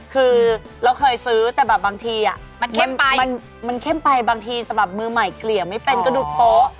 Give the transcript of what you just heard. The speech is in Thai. คือเราเคยซื้อแต่แบบบางทีมันเข้มไปบางทีสำหรับมือใหม่เกลี่ยไม่เป็นก็ดูโป๊ะ